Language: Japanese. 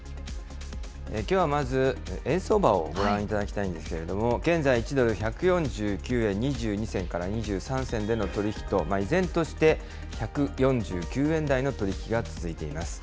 きょうはまず、円相場をご覧いただきたいんですけれども、現在、１ドル１４９円２２銭から２３銭での取り引きと、依然として１４９円台の取り引きが続いています。